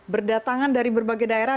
berdatangan dari berbagai daerah